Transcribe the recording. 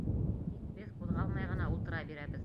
Тик беҙ ҡуҙғалмай ғына ултыра бирәбеҙ.